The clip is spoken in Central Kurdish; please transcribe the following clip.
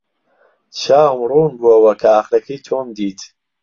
چاوم ڕوون بووەوە کە ئاخرەکەی تۆم دیت.